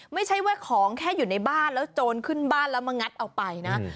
ไม่ใช่ว่าของแค่อยู่ในบ้านแล้วโจรขึ้นบ้านแล้วมางัดเอาไปนะ